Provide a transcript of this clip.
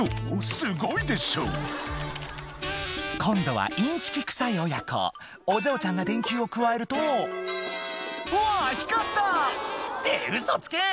すごいでしょ」今度はインチキくさい親子お嬢ちゃんが電球をくわえるとうわ光った！ってウソつけ！